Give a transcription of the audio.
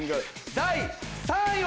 第３位は？